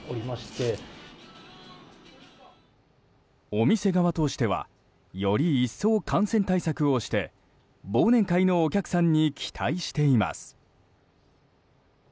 お店側としては、より一層感染対策をして忘年会のお客さんに期待しています。